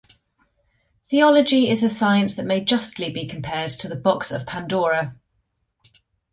Theology is a science that may justly be compared to the Box of Pandora.